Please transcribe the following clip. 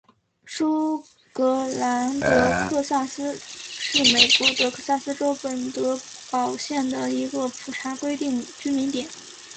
舒格兰德克萨斯是美国德克萨斯州本德堡县的一个普查规定居民点。